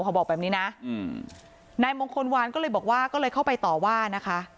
เขาบอกแบบนี้นะนายมงคลวานก็เลยบอกว่าก็เลยเข้าไปต่อว่านะคะ